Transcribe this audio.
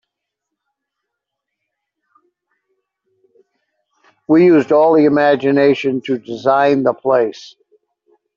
We used all your imgination to design the place.